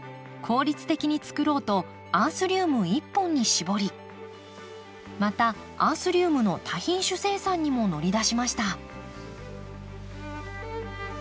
効率的につくろうとアンスリウム一本に絞りまたアンスリウムの多品種生産にも乗り出しました。